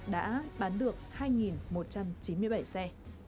đã bán được hai một trăm chín mươi bảy xe